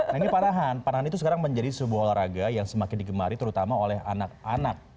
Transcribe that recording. nah ini panahan panahan itu sekarang menjadi sebuah olahraga yang semakin digemari terutama oleh anak anak